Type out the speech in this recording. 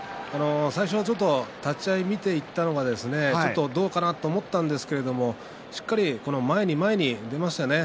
最初、ちょっと立ち合い見ていったのがどうかなと思ったんですけれどしっかり、前に前に出ましたね。